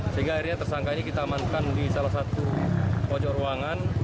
sehingga akhirnya tersangka ini kita amankan di salah satu pojok ruangan